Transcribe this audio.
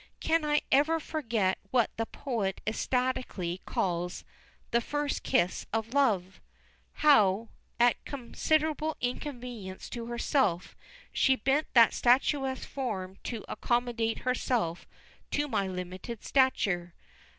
Can I ever forget what the poet ecstatically calls "the first kiss of love" how, at considerable inconvenience to herself, she bent that statuesque form to accommodate herself to my limited stature?